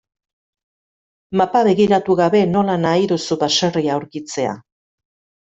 Mapa begiratu gabe nola nahi duzu baserria aurkitzea?